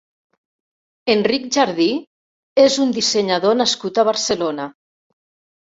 Enric Jardí és un dissenyador nascut a Barcelona.